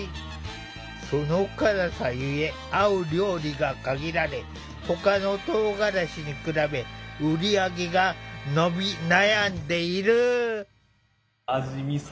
その辛さゆえ合う料理が限られほかのとうがらしに比べ売り上げが伸び悩んでいる。